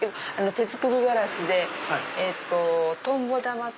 手作りガラスでとんぼ玉。